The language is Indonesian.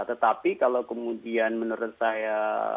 tetapi kalau kemudian menurut saya